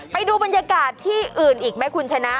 ไปดูบรรยากาศที่อื่นอีกไหมคุณชนะ